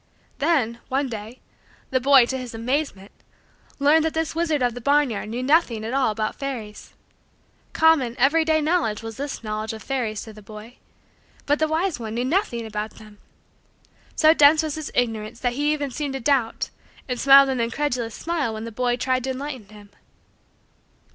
Then, one day, the boy, to his amazement, learned that this wizard of the barnyard knew nothing at all about fairies. Common, every day, knowledge was this knowledge of fairies to the boy: but the wise one knew nothing about them. So dense was his ignorance that he even seemed to doubt and smiled an incredulous smile when the boy tried to enlighten him.